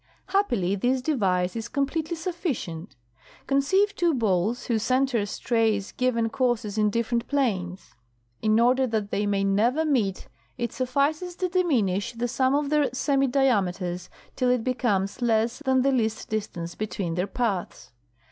Happily this device is completely suffi cient. Conceive two balls whose centers trace given courses in different planes. In order that they may never meet it suffices to diminish the sum of their semidiameters till it becomes less than the least distance between their paths.